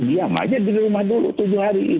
dia maja di rumah dulu tujuh hari